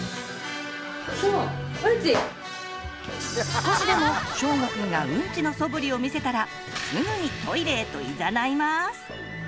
少しでもしょうごくんがうんちのそぶりを見せたらすぐにトイレへといざないます。